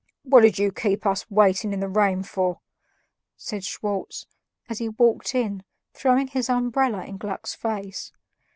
"What did you keep us waiting in the rain for?" said Schwartz, as he walked in, throwing his umbrella in Gluck's face.